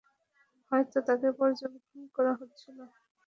হয়তো তাকে পর্যবেক্ষণ করা হচ্ছিল।